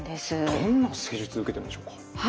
どんな施術受けてるんでしょうか？